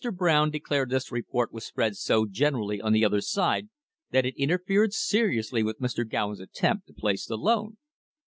Brown declared this report was spread so generally on the other side that it interfered seriously with Mr. Gowen's attempt to place the loan.